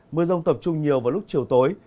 mưa rông tập trung nhiều vào lúc chiều tối